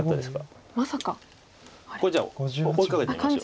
これじゃあ追いかけてみましょう。